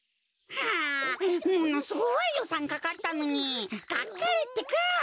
ものすごいよさんかかったのにがっかりってか。